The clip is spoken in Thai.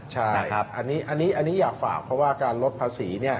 ใช่อันนี้อยากฝากเพราะว่าการลดภาษี